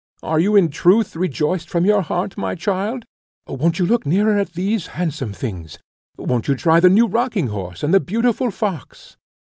Are you in truth rejoiced from your heart, my child? Won't you look nearer at these handsome things? Won't you try the new rocking horse and the beautiful fox?"